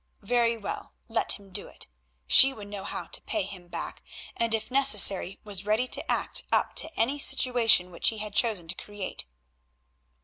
Very well, let him do it; she would know how to pay him back, and if necessary was ready to act up to any situation which he had chosen to create.